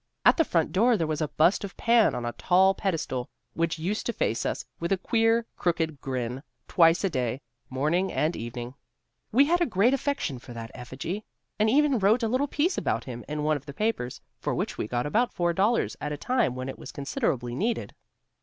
At the front door there was a bust of Pan on a tall pedestal, which used to face us with a queer crooked grin twice a day, morning and evening. We had a great affection for that effigy, and even wrote a little piece about him in one of the papers, for which we got about $4 at a time when it was considerably needed.